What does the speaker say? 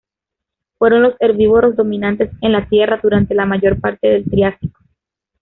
Fueron los herbívoros dominantes en la Tierra durante la mayor parte del Triásico.